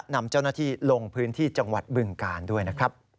นำเจ้าหน้าที่ลงพื้นที่จังหวัดบึงกาลด้วยนะครับ